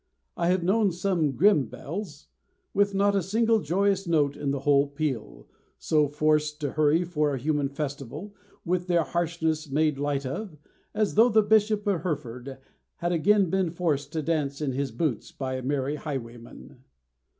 I have known some grim bells, with not a single joyous note in the whole peal, so forced to hurry for a human festival, with their harshness made light of, as though the Bishop of Hereford had again been forced to dance in his boots by a merry highwayman.